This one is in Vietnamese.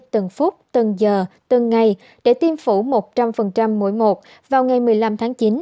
từng phút từng giờ từng ngày để tiêm phủ một trăm linh mỗi một vào ngày một mươi năm tháng chín